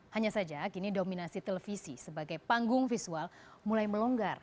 hanya saja kini dominasi televisi sebagai panggung visual mulai melonggar